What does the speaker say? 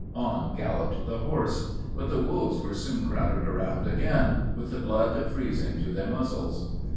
On galloped the horse. But the wolves were soon crowded around again, with the blood freezing to their muzzles.